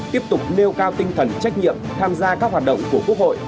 tiếp tục nêu cao tinh thần trách nhiệm tham gia các hoạt động của quốc hội